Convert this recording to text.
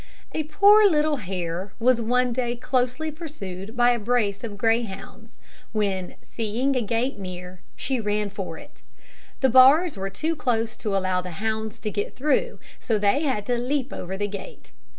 A poor little hare was one day closely pursued by a brace of greyhounds, when, seeing a gate near, she ran for it. The bars were too close to allow the hounds to get through, so they had to leap over the gate.